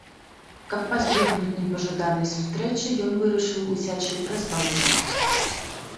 Каб пазбегнуць непажаданай сустрэчы ён вырашыў уцячы праз балкон.